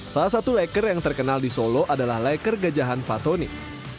salah satu leker yang terkenal di solo adalah laker gajahan fatonik